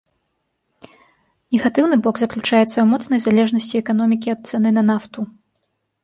Негатыўны бок заключаецца ў моцнай залежнасці эканомікі ад цаны на нафту.